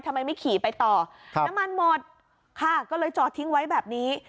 ทำไมไม่ขี่ไปต่อครับน้ำมันหมดค่ะก็เลยจอดทิ้งไว้แบบนี้